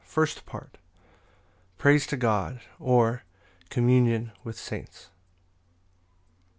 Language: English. First Part. Praise to God; or, Communion with saints.